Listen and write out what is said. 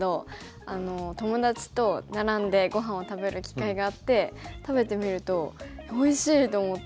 友達と並んでごはんを食べる機会があって食べてみると「おいしい！」と思って。